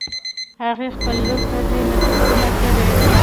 هغې خپلې لور ته ډېر نصیحتونه کړي